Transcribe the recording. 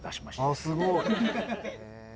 ああすごい。